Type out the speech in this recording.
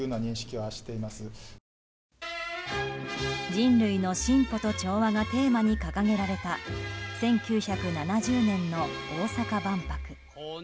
「人類の進歩と調和」がテーマに掲げられた１９７０年の大阪万博。